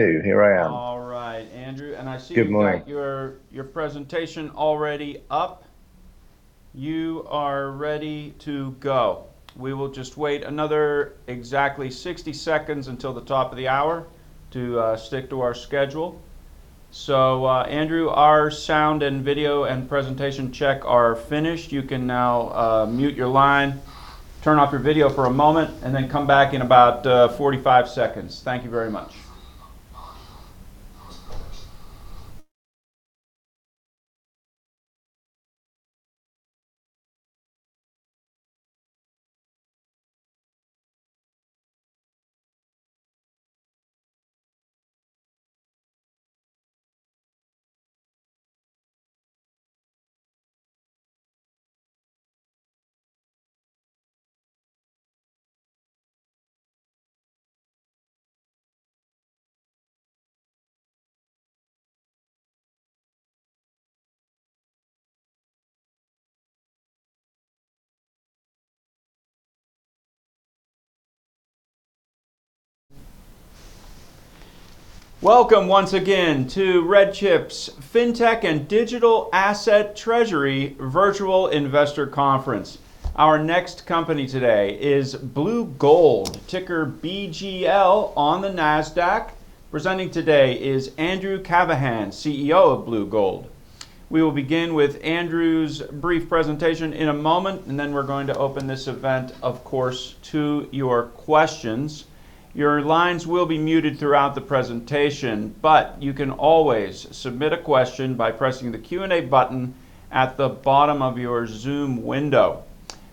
Two, here I am. All right, Andrew, and I see. Good morning. That your presentation is already up. You are ready to go. We will just wait another exactly 60 seconds until the top of the hour to stick to our schedule. So, Andrew, our sound and video and presentation check are finished. You can now mute your line, turn off your video for a moment, and then come back in about 45 seconds. Thank you very much. Welcome once again to RedChip's FinTech and Digital Asset Treasury Virtual Investor Conference. Our next company today is Blue Gold, ticker BGL on the NASDAQ. Presenting today is Andrew Cavaghan, CEO of Blue Gold. We will begin with Andrew's brief presentation in a moment, and then we're going to open this event, of course, to your questions. Your lines will be muted throughout the presentation, but you can always submit a question by pressing the Q&A button at the bottom of your Zoom window.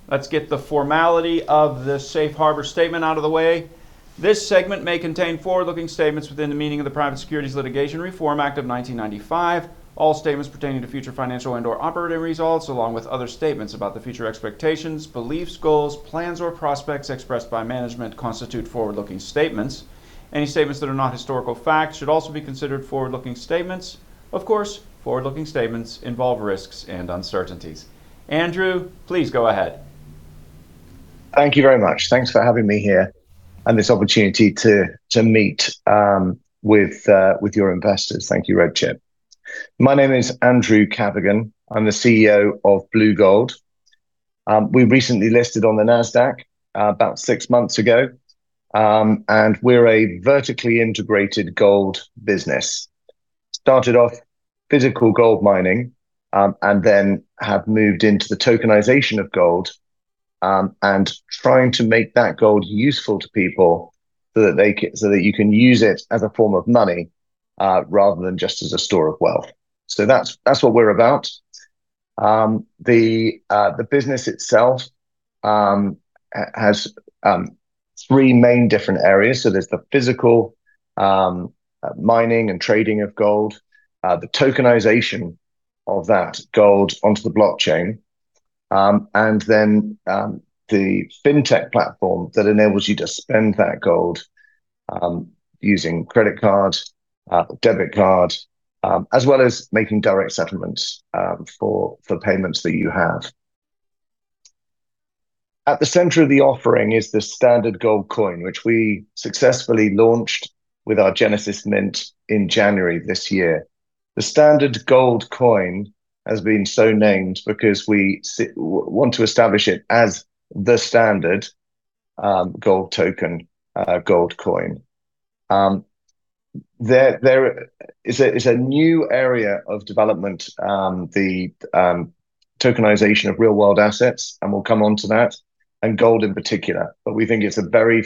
Let's get the formality of the Safe Harbor Statement out of the way. This segment may contain forward-looking statements within the meaning of the Private Securities Litigation Reform Act of 1995. All statements pertaining to future financial and/or operating results, along with other statements about the future expectations, beliefs, goals, plans, or prospects expressed by management, constitute forward-looking statements. Any statements that are not historical facts should also be considered forward-looking statements. Of course, forward-looking statements involve risks and uncertainties. Andrew, please go ahead. Thank you very much. Thanks for having me here and this opportunity to meet with your investors. Thank you, RedChip. My name is Andrew Cavaghan. I'm the CEO of Blue Gold. We recently listed on the NASDAQ about six months ago, and we're a vertically integrated gold business. Started off physical gold mining and then have moved into the tokenization of gold and trying to make that gold useful to people so that you can use it as a form of money rather than just as a store of wealth. So that's what we're about. The business itself has three main different areas. So there's the physical mining and trading of gold, the tokenization of that gold onto the blockchain, and then the FinTech platform that enables you to spend that gold using credit card, debit card, as well as making direct settlements for payments that you have. At the center of the offering is the Standard Gold Coin, which we successfully launched with our Genesis Mint in January this year. The Standard Gold Coin has been so named because we want to establish it as the Standard Gold Token, Gold Coin. It's a new area of development, the tokenization of real-world assets, and we'll come on to that, and gold in particular. But we think it's an area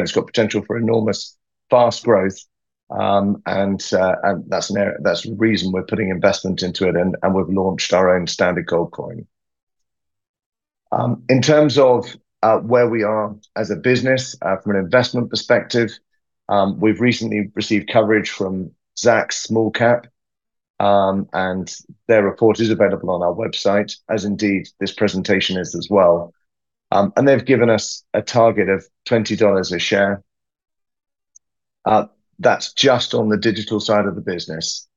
that's got potential for enormous fast growth, and that's the reason we're putting investment into it, and we've launched our own Standard Gold Coin. In terms of where we are as a business from an investment perspective, we've recently received coverage from Zacks Small-Cap Research, and their report is available on our website, as indeed this presentation is as well. They've given us a target of $20 a share. That's just on the digital side of the business.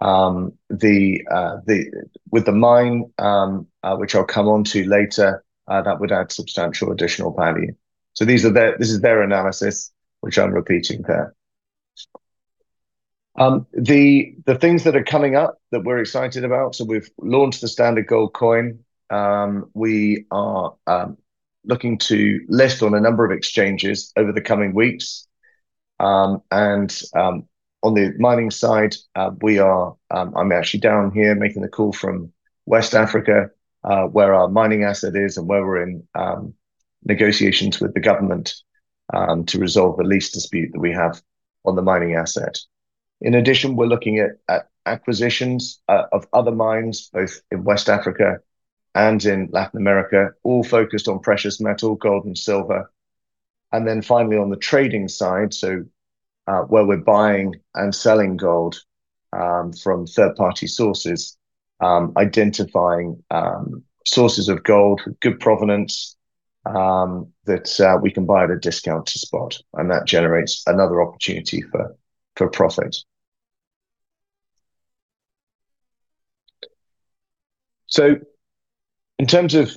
With the mine, which I'll come on to later, that would add substantial additional value. So this is their analysis, which I'm repeating there. The things that are coming up that we're excited about, so we've launched the Standard Gold Coin. We are looking to list on a number of exchanges over the coming weeks. And on the mining side, I'm actually down here making the call from West Africa where our mining asset is and where we're in negotiations with the government to resolve the lease dispute that we have on the mining asset. In addition, we're looking at acquisitions of other mines, both in West Africa and in Latin America, all focused on precious metal, gold, and silver. And then finally, on the trading side, so where we're buying and selling gold from third-party sources, identifying sources of gold with good provenance that we can buy at a discount to spot. And that generates another opportunity for profit. So in terms of,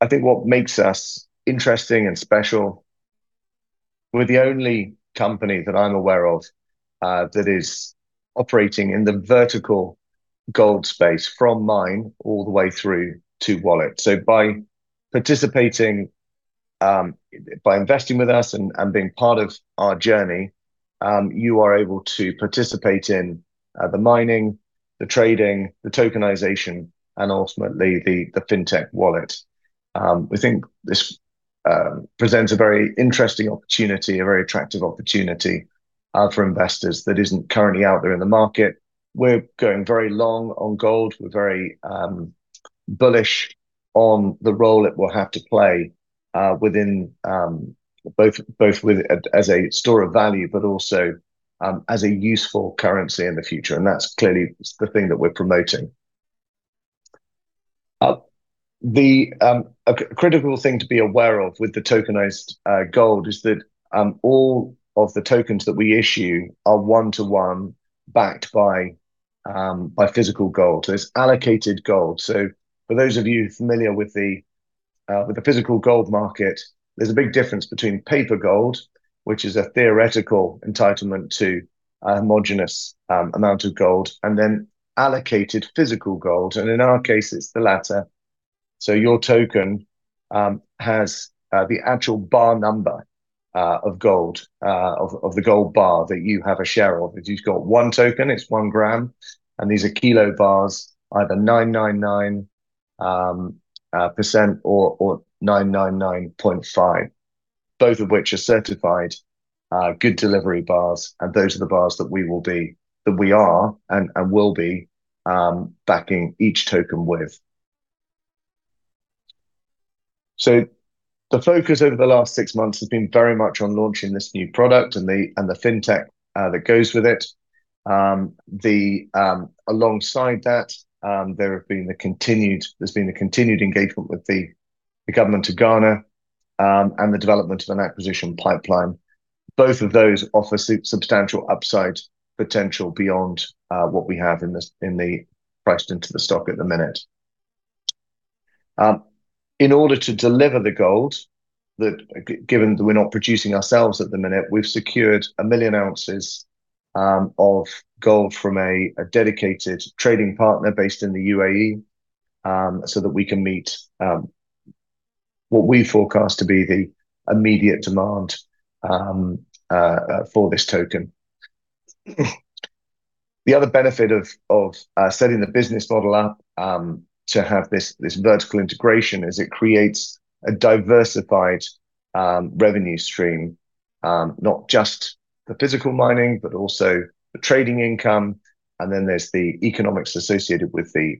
I think, what makes us interesting and special, we're the only company that I'm aware of that is operating in the vertical gold space from mine all the way through to wallet. So by investing with us and being part of our journey, you are able to participate in the mining, the trading, the tokenization, and ultimately the FinTech wallet. We think this presents a very interesting opportunity, a very attractive opportunity for investors that isn't currently out there in the market. We're going very long on gold. We're very bullish on the role it will have to play both as a store of value, but also as a useful currency in the future. That's clearly the thing that we're promoting. A critical thing to be aware of with the tokenized gold is that all of the tokens that we issue are one-to-one backed by physical gold. It's allocated gold. For those of you familiar with the physical gold market, there's a big difference between paper gold, which is a theoretical entitlement to a homogeneous amount of gold, and then allocated physical gold. In our case, it's the latter. Your token has the actual bar number of gold, of the gold bar that you have a share of. If you've got one token, it's one gram. These are kilo bars, either 999% or 999.5%, both of which are certified good delivery bars. Those are the bars that we are and will be backing each token with. The focus over the last six months has been very much on launching this new product and the FinTech that goes with it. Alongside that, there has been the continued engagement with the government of Ghana and the development of an acquisition pipeline. Both of those offer substantial upside potential beyond what we have priced into the stock at the minute. In order to deliver the gold, given that we're not producing ourselves at the minute, we've secured 1 million ounces of gold from a dedicated trading partner based in the UAE so that we can meet what we forecast to be the immediate demand for this token. The other benefit of setting the business model up to have this vertical integration is it creates a diversified revenue stream, not just the physical mining, but also the trading income. And then there's the economics associated with the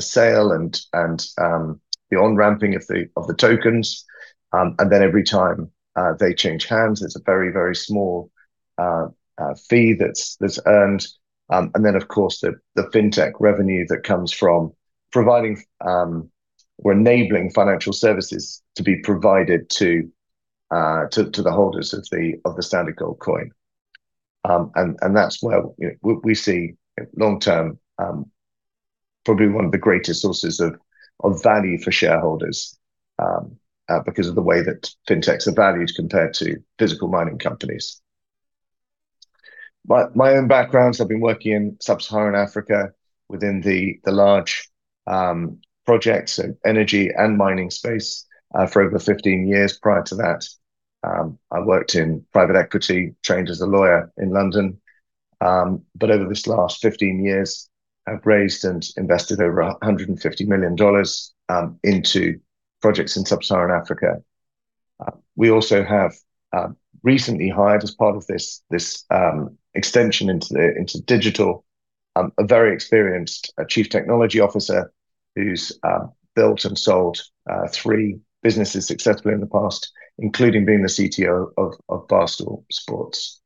sale and the on-ramping of the tokens. And then every time they change hands, there's a very, very small fee that's earned. And then, of course, the FinTech revenue that comes from we're enabling financial services to be provided to the holders of the Standard Gold Coin. And that's where we see, long-term, probably one of the greatest sources of value for shareholders because of the way that FinTechs are valued compared to physical mining companies. My own backgrounds, I've been working in Sub-Saharan Africa within the large projects, so energy and mining space, for over 15 years. Prior to that, I worked in private equity, trained as a lawyer in London. Over this last 15 years, I've raised and invested over $150 million into projects in Sub-Saharan Africa. We also have recently hired, as part of this extension into digital, a very experienced Chief Technology Officer who's built and sold three businesses successfully in the past, including being the CTO of Barstool Sports.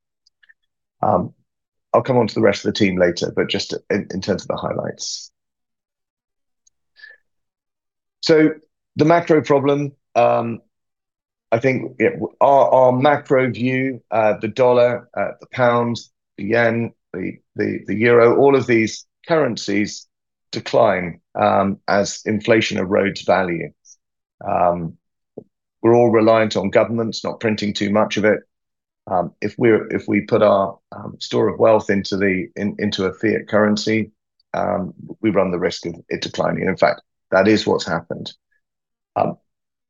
I'll come on to the rest of the team later, just in terms of the highlights. The macro problem, I think our macro view, the US dollar, the pound, the yen, the euro, all of these currencies decline as inflation erodes value. We're all reliant on governments not printing too much of it. If we put our store of wealth into a fiat currency, we run the risk of it declining. In fact, that is what's happened.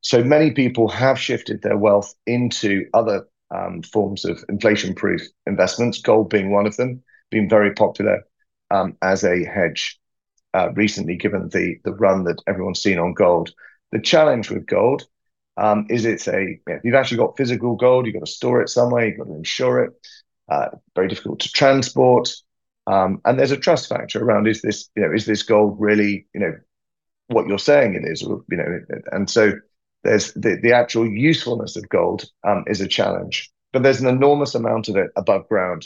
So many people have shifted their wealth into other forms of inflation-proof investments, gold being one of them, being very popular as a hedge recently, given the run that everyone's seen on gold. The challenge with gold is it's a if you've actually got physical gold, you've got to store it somewhere, you've got to insure it, very difficult to transport. And there's a trust factor around, is this gold really what you're saying it is? And so the actual usefulness of gold is a challenge. But there's an enormous amount of it above ground.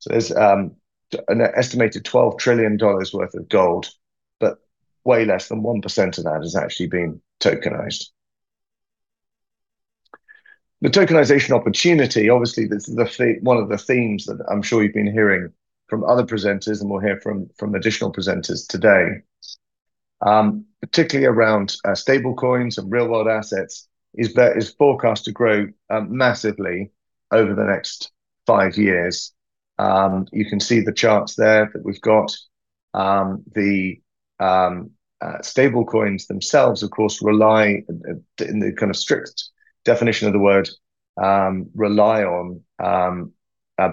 So there's an estimated $12 trillion worth of gold, but way less than 1% of that has actually been tokenized. The tokenization opportunity, obviously, this is one of the themes that I'm sure you've been hearing from other presenters, and we'll hear from additional presenters today, particularly around stablecoins and real-world assets, is forecast to grow massively over the next five years. You can see the charts there that we've got. The stablecoins themselves, of course, rely in the kind of strict definition of the word, rely on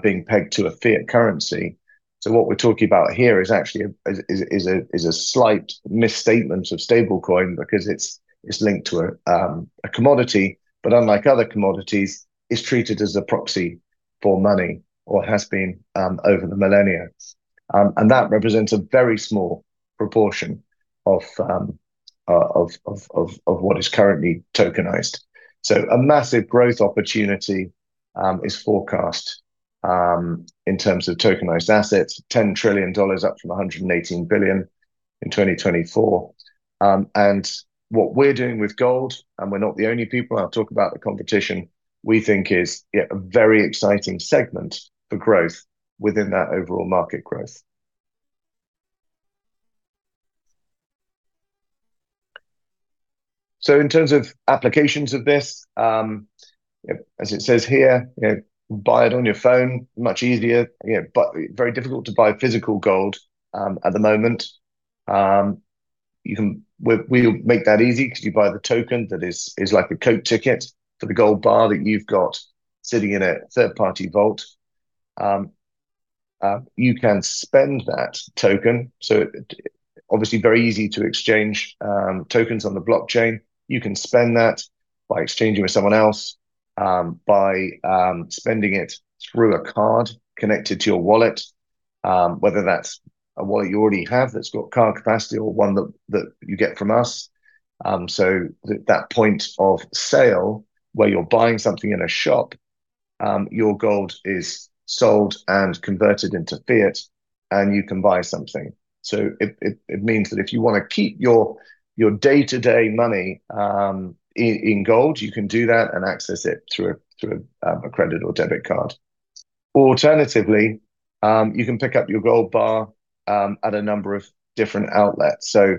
being pegged to a fiat currency. So what we're talking about here is actually a slight misstatement of stablecoin because it's linked to a commodity. But unlike other commodities, it's treated as a proxy for money or has been over the millennia. And that represents a very small proportion of what is currently tokenized. So a massive growth opportunity is forecast in terms of tokenized assets, $10 trillion up from $118 billion in 2024. And what we're doing with gold, and we're not the only people, I'll talk about the competition, we think is a very exciting segment for growth within that overall market growth. So in terms of applications of this, as it says here, buy it on your phone, much easier. But very difficult to buy physical gold at the moment. We'll make that easy because you buy the token that is like a coat ticket for the gold bar that you've got sitting in a third-party vault. You can spend that token. So obviously, very easy to exchange tokens on the blockchain. You can spend that by exchanging with someone else, by spending it through a card connected to your wallet, whether that's a wallet you already have that's got card capacity or one that you get from us. So that point of sale where you're buying something in a shop, your gold is sold and converted into fiat, and you can buy something. So it means that if you want to keep your day-to-day money in gold, you can do that and access it through a credit or debit card. Alternatively, you can pick up your gold bar at a number of different outlets. So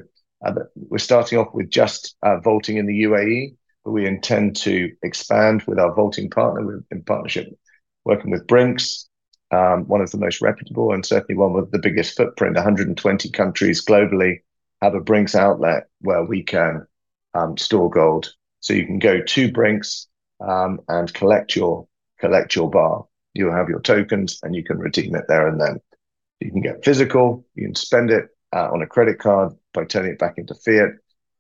we're starting off with just vaulting in the UAE, but we intend to expand with our vaulting partner. We're in partnership, working with Brink's, one of the most reputable and certainly one with the biggest footprint. 120 countries globally have a Brink's outlet where we can store gold. So you can go to Brink's and collect your bar. You'll have your tokens, and you can redeem it there and then. You can get physical. You can spend it on a credit card by turning it back into fiat,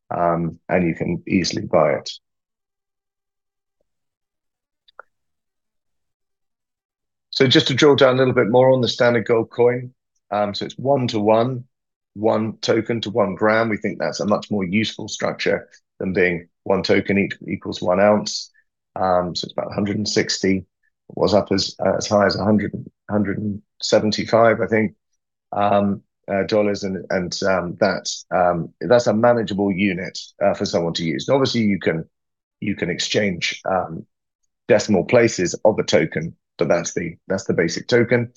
and you can easily buy it. So just to draw down a little bit more on the Standard Gold Coin, so it's one-to-one, one token to one gram. We think that's a much more useful structure than being one token equals one ounce. So it's about $160. It was up as high as $175, I think, dollars. And that's a manageable unit for someone to use. And obviously, you can exchange decimal places of a token, but that's the basic token.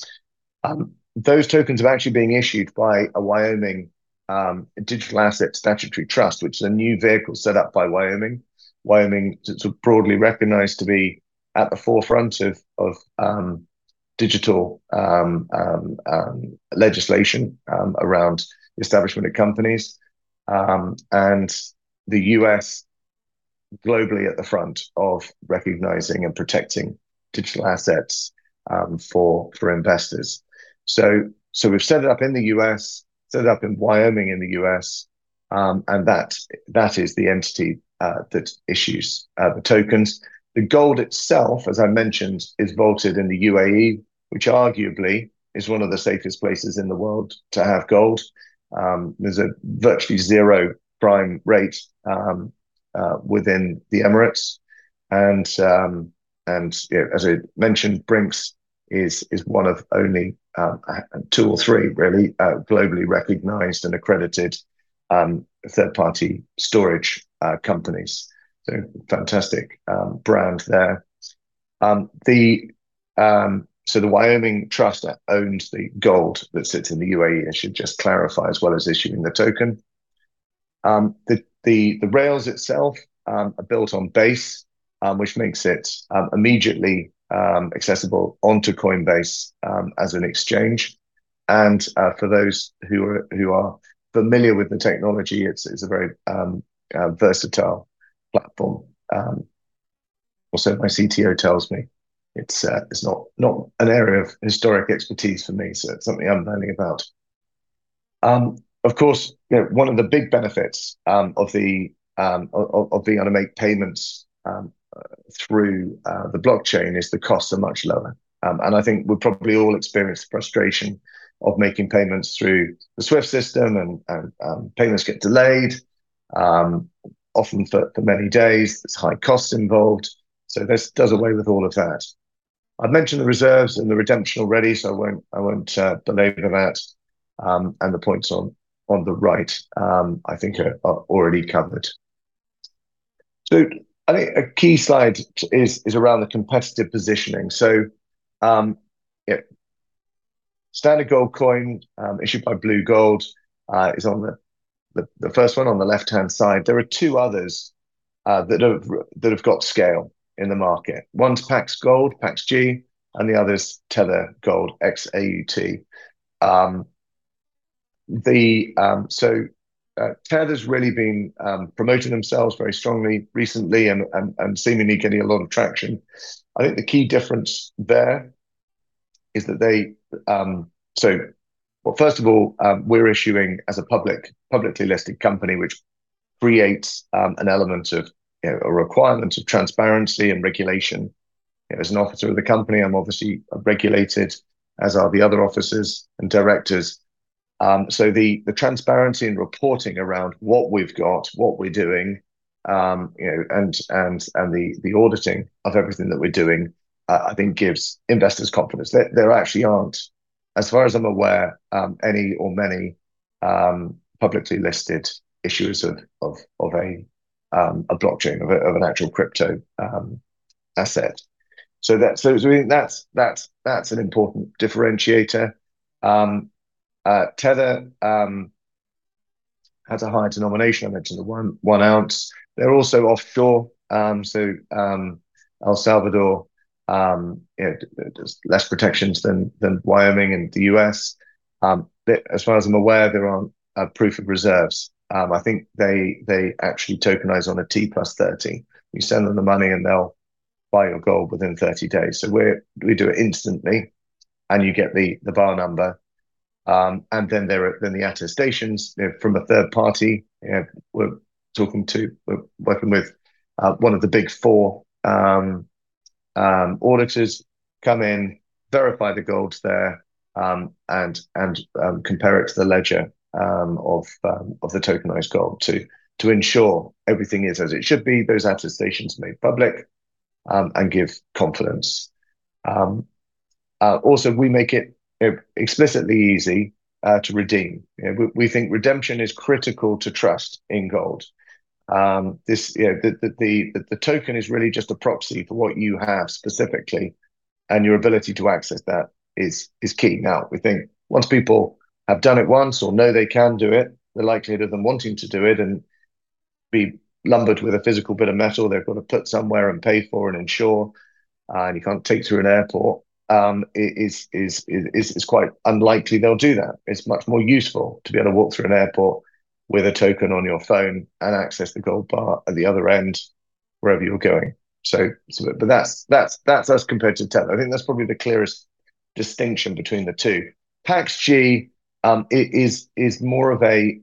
Those tokens are actually being issued by a Wyoming Digital Asset Statutory Trust, which is a new vehicle set up by Wyoming. Wyoming is broadly recognized to be at the forefront of digital legislation around the establishment of companies and the U.S. globally at the front of recognizing and protecting digital assets for investors. So we've set it up in the U.S., set it up in Wyoming in the U.S., and that is the entity that issues the tokens. The gold itself, as I mentioned, is vaulted in the UAE, which arguably is one of the safest places in the world to have gold. There's a virtually zero prime rate within the Emirates. And as I mentioned, Brink's is one of only two or three, really, globally recognized and accredited third-party storage companies. So fantastic brand there. So the Wyoming Trust owns the gold that sits in the UAE, I should just clarify, as well as issuing the token. The rails itself are built on Base, which makes it immediately accessible onto Coinbase as an exchange. And for those who are familiar with the technology, it's a very versatile platform. Also, my CTO tells me it's not an area of historic expertise for me, so it's something I'm learning about. Of course, one of the big benefits of being able to make payments through the blockchain is the costs are much lower. I think we've probably all experienced the frustration of making payments through the SWIFT system, and payments get delayed, often for many days. There's high costs involved. So this does away with all of that. I've mentioned the reserves and the redemption already, so I won't belabor that. The points on the right, I think, are already covered. I think a key slide is around the competitive positioning. Standard Gold Coin, issued by Blue Gold, is on the first one on the left-hand side. There are two others that have got scale in the market. One's Pax Gold, PAXG, and the other's Tether Gold, XAUT. So Tether's really been promoting themselves very strongly recently and seemingly getting a lot of traction. I think the key difference there is that they so well, first of all, we're issuing as a publicly listed company, which creates an element of a requirement of transparency and regulation. As an officer of the company, I'm obviously regulated, as are the other officers and directors. So the transparency and reporting around what we've got, what we're doing, and the auditing of everything that we're doing, I think, gives investors confidence. There actually aren't, as far as I'm aware, any or many publicly listed issuers of a blockchain, of an actual crypto asset. So I think that's an important differentiator. Tether has a high denomination, I mentioned, the one ounce. They're also offshore. So El Salvador, there's less protections than Wyoming and the U.S. As far as I'm aware, there aren't Proof of Reserves. I think they actually tokenize on a T+30. You send them the money, and they'll buy your gold within 30 days. So we do it instantly, and you get the bar number. And then the attestations from a third party we're talking to, we're working with one of the Big Four auditors come in, verify the gold there, and compare it to the ledger of the tokenized gold to ensure everything is as it should be. Those attestations are made public and give confidence. Also, we make it explicitly easy to redeem. We think redemption is critical to trust in gold. The token is really just a proxy for what you have specifically, and your ability to access that is key. Now, we think once people have done it once or know they can do it, the likelihood of them wanting to do it and be lumbered with a physical bit of metal they've got to put somewhere and pay for and insure, and you can't take through an airport, it's quite unlikely they'll do that. It's much more useful to be able to walk through an airport with a token on your phone and access the gold bar at the other end, wherever you're going. But that's us compared to Tether. I think that's probably the clearest distinction between the two. PaxG is more of a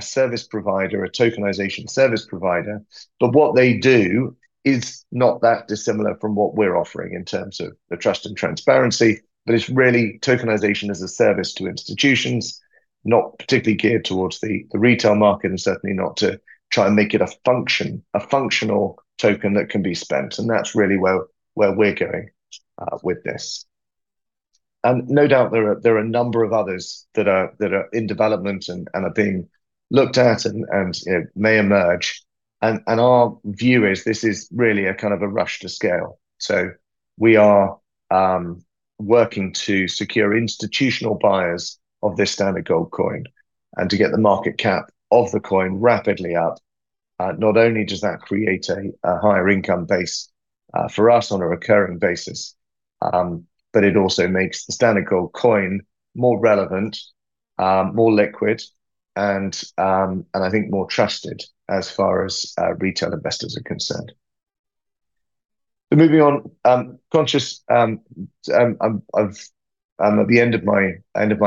service provider, a tokenization service provider. But what they do is not that dissimilar from what we're offering in terms of the trust and transparency. But it's really tokenization as a service to institutions, not particularly geared towards the retail market and certainly not to try and make it a functional token that can be spent. And that's really where we're going with this. And no doubt there are a number of others that are in development and are being looked at and may emerge. And our view is this is really a kind of a rush to scale. So we are working to secure institutional buyers of this Standard Gold Coin and to get the market cap of the coin rapidly up. Not only does that create a higher income base for us on a recurring basis, but it also makes the Standard Gold Coin more relevant, more liquid, and I think more trusted as far as retail investors are concerned. So moving on, conscious, I'm at the end of my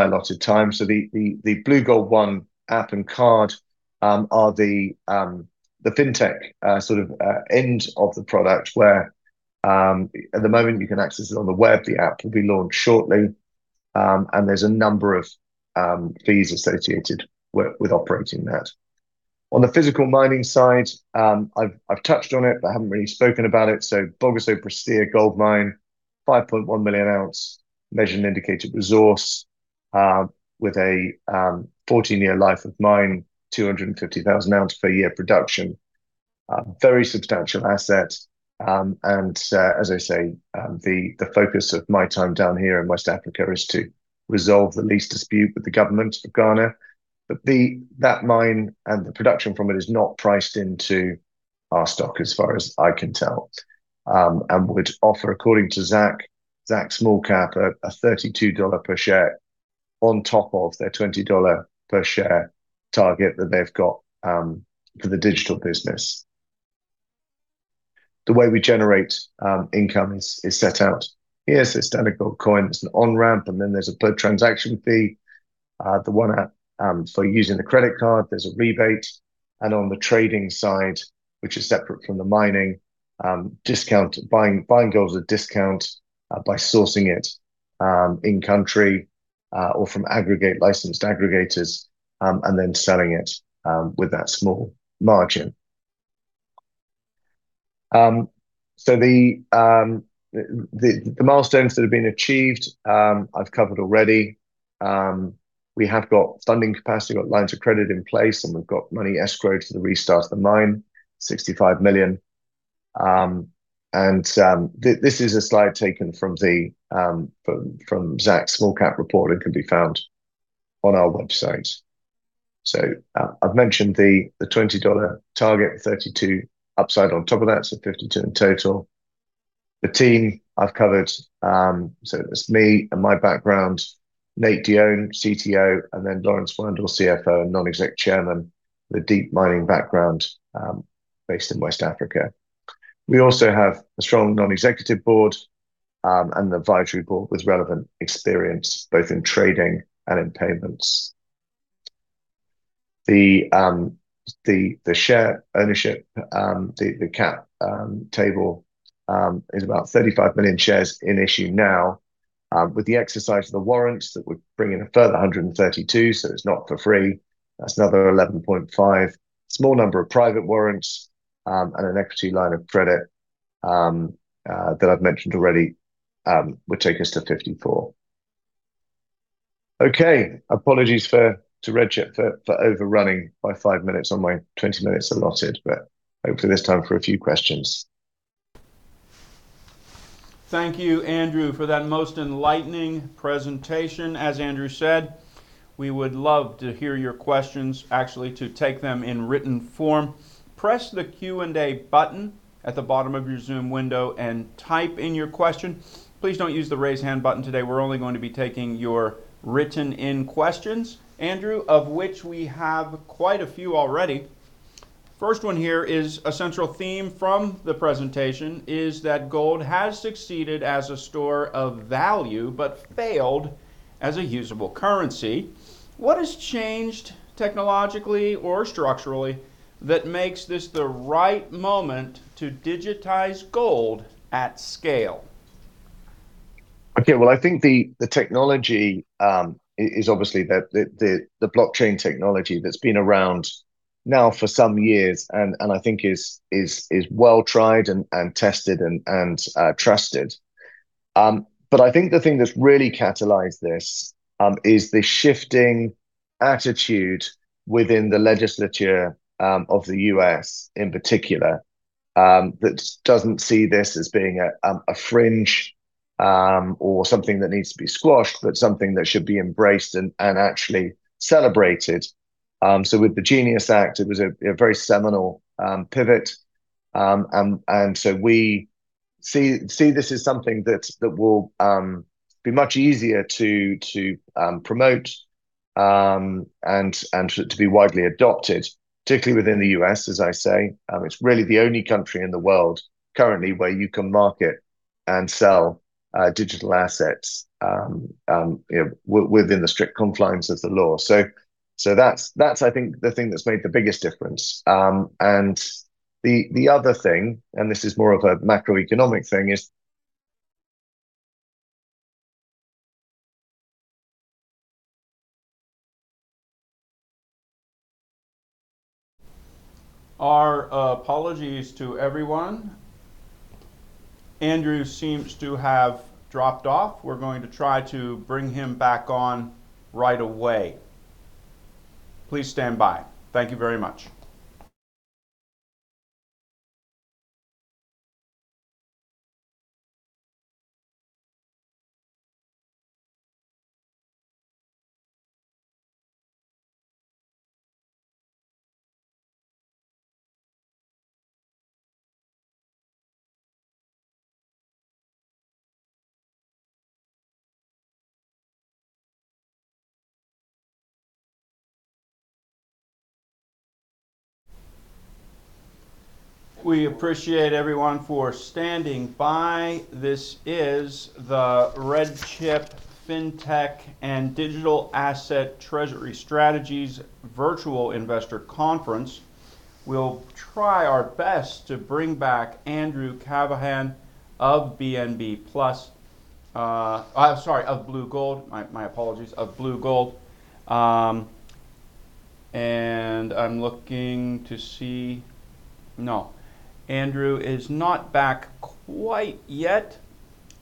allotted time. So the Blue Gold One app and card are the fintech sort of end of the product where at the moment, you can access it on the web. The app will be launched shortly, and there's a number of fees associated with operating that. On the physical mining side, I've touched on it, but haven't really spoken about it. So Bogoso Prestea Gold Mine, 5.1 million ounces measured and indicated resource with a 14-year life of mine, 250,000 ounces per year production, very substantial asset. And as I say, the focus of my time down here in West Africa is to resolve the lease dispute with the government of Ghana. But that mine and the production from it is not priced into our stock as far as I can tell and would offer, according to Zacks Small-Cap Research, a $32 per share on top of their $20 per share target that they've got for the digital business. The way we generate income is set out here. So Standard Gold Coin, there's an on-ramp, and then there's a per transaction fee. The one app for using the credit card, there's a rebate. And on the trading side, which is separate from the mining, buying gold with a discount by sourcing it in-country or from licensed aggregators and then selling it with that small margin. So the milestones that have been achieved, I've covered already. We have got funding capacity, got lines of credit in place, and we've got money escrowed to the restart of the mine, $65 million. This is a slide taken from Zacks Small-Cap Research report and can be found on our website. I've mentioned the $20 target, $32 upside on top of that, so $52 in total. The team I've covered, so it's me and my background, Nathan Dionne, CTO, and then Lorenz Werndle, CFO and non-executive chairman with a deep mining background based in West Africa. We also have a strong non-executive board and an advisory board with relevant experience both in trading and in payments. The share ownership, the cap table is about 35 million shares in issue now. With the exercise of the warrants that would bring in a further 132, so it's not for free. That's another 11.5, small number of private warrants and an equity line of credit that I've mentioned already would take us to 54. Okay, apologies to RedChip for overrunning by 5 minutes on my 20 minutes allotted, but hopefully this time for a few questions. Thank you, Andrew, for that most enlightening presentation. As Andrew said, we would love to hear your questions, actually to take them in written form. Press the Q&A button at the bottom of your Zoom window and type in your question. Please don't use the raise hand button today. We're only going to be taking your written-in questions, Andrew, of which we have quite a few already. First one here is a central theme from the presentation, is that gold has succeeded as a store of value but failed as a usable currency. What has changed technologically or structurally that makes this the right moment to digitize gold at scale? Okay, well, I think the technology is obviously the blockchain technology that's been around now for some years and I think is well tried and tested and trusted. But I think the thing that's really catalysed this is the shifting attitude within the legislature of the U.S. in particular that doesn't see this as being a fringe or something that needs to be squashed, but something that should be embraced and actually celebrated. So with the GENIUS Act, it was a very seminal pivot. And so we see this as something that will be much easier to promote and to be widely adopted, particularly within the U.S., as I say. It's really the only country in the world currently where you can market and sell digital assets within the strict confines of the law. So that's, I think, the thing that's made the biggest difference. And the other thing, and this is more of a macroeconomic thing, is. Our apologies to everyone. Andrew seems to have dropped off. We're going to try to bring him back on right away. Please stand by. Thank you very much. We appreciate everyone for standing by. This is the RedChip FinTech and Digital Asset Treasury Strategies Virtual Investor Conference. We'll try our best to bring back Andrew Cavaghan of BNB Plus. Sorry, of Blue Gold. My apologies, of Blue Gold. And I'm looking to see no, Andrew is not back quite yet.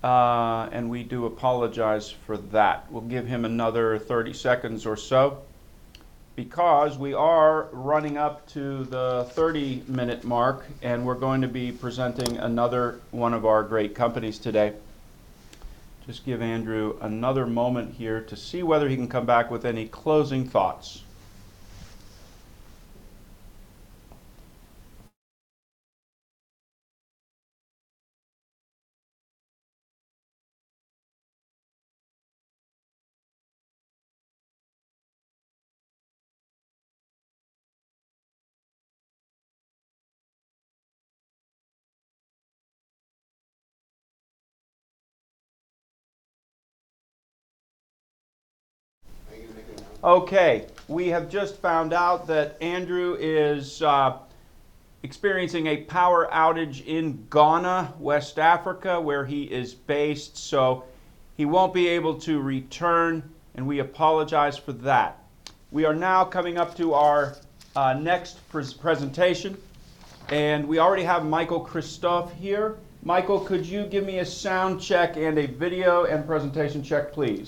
And we do apologize for that. We'll give him another 30 seconds or so because we are running up to the 30-minute mark, and we're going to be presenting another one of our great companies today. Just give Andrew another moment here to see whether he can come back with any closing thoughts. Okay, we have just found out that Andrew is experiencing a power outage in Ghana, West Africa, where he is based. So he won't be able to return, and we apologize for that. We are now coming up to our next presentation, and we already have Michael Christophe here. Michael, could you give me a sound check and a video and presentation check, please?